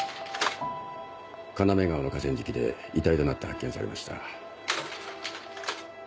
要川の河川敷で遺体となって発見されました。